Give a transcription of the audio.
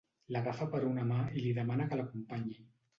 L'agafa per una mà i li demana que l'acompanyi.